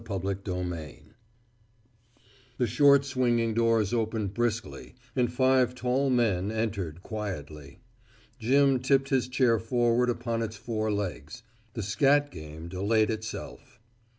II ONE FLESH The short swinging doors opened briskly and five tall men entered quietly. Jim tipped his chair forward upon its four legs. The scat game delayed itself.